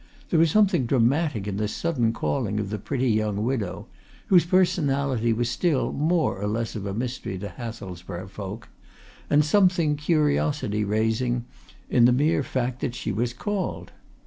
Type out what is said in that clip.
There was something dramatic in the sudden calling of the pretty young widow, whose personality was still more or less of a mystery to Hathelsborough folk, and something curiosity raising in the mere fact that she was called.